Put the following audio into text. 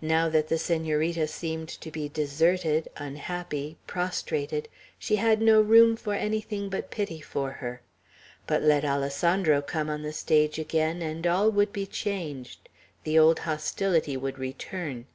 Now that the Senorita seemed to be deserted, unhappy, prostrated, she had no room for anything but pity for her; but let Alessandro come on the stage again, and all would be changed. The old hostility would return.